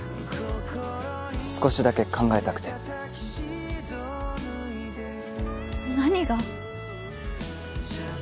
少しだけ考えたくて何が？